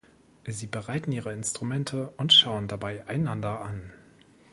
Sie bereiten Ihre Instrumente und schauen dabei einander an.